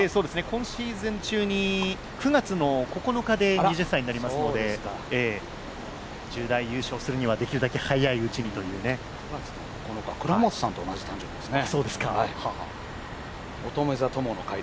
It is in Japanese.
今シーズン中に、９月の９日で２０歳になりますので、１０代優勝するにはできるだけ早いうちにということですね。